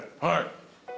はい。